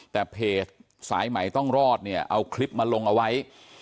แต่เพจสายใหม่ต้องรอดเนี่ยเอาคลิปมาลงเอาไว้